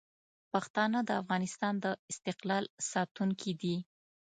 پښتانه د افغانستان د استقلال ساتونکي دي.